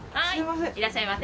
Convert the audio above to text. いらっしゃいませ。